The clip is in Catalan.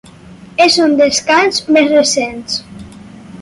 És un dels cants més recents.